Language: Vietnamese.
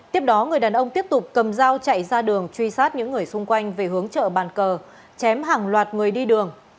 tiếp đó người đàn ông tiếp tục cầm dao chạy ra đường truy sát những người xung quanh về hướng chợ bàn cờ chém hàng loạt người đi đường